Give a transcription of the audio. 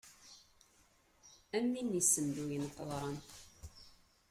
Am win issenduyen qeḍran.